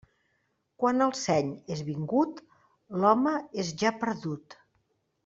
Quan el seny és vingut, l'home és ja perdut.